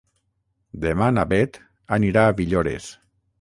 Demà na Beth anirà a Villores.